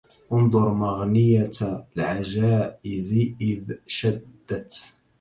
انظر مغنية العجائز إذ شدت